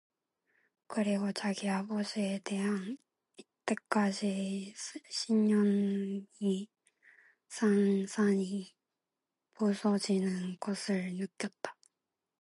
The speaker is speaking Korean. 그리고 자기 아버지에 대한 이때까지의 신념이 산산이 부서지는 것을 느꼈다.